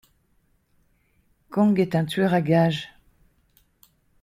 Kong est un tueur à gages.